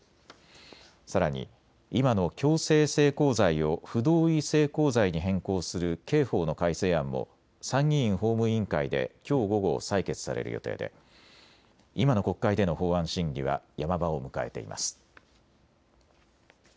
さらに今の強制性交罪を不同意性交罪に変更する刑法の改正案も参議院法務委員会できょう午後、採決される予定で今の国会での法案審議はヤマ場を迎えています。